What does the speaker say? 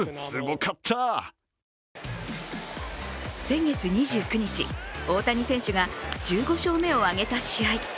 先月２９日、大谷選手が１５勝目を挙げた試合。